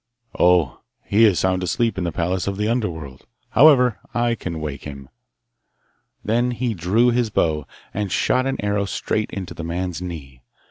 'Oh, he is sound asleep in the palace of the Underworld. However, I can wake him.' Then he drew his bow, and shot an arrow straight into the man's knee.